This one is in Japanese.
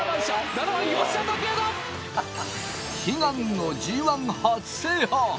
悲願のＧ１初制覇。